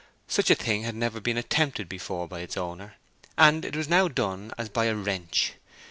Such a thing had never been attempted before by its owner, and it was now done as by a wrench.